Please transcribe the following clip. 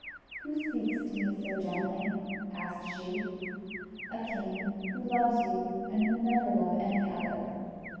"Who speaks to me so gently?" asked she. "A king, who loves you, and will never love any other."